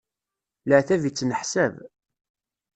Leɛtab i ttneḥsab.